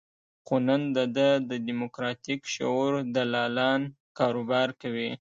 خو نن د ده د دیموکراتیک شعور دلالان کاروبار کوي.